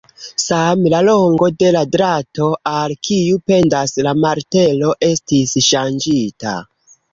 Same, la longo de la drato, al kiu pendas la martelo, estis ŝanĝita.